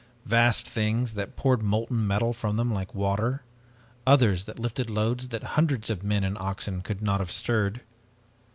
Vast things that poured molten metal from them like water. Others that lifted loads that hundreds of men and oxen could not have stirred.